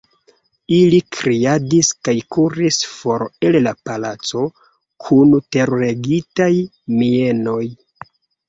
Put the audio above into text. Ili kriadis kaj kuris for el la palaco kun teruregitaj mienoj!